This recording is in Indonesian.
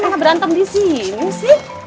kalian mana berantem di sini sih